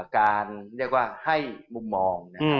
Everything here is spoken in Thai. การเรียกว่าให้มุมมองนะครับ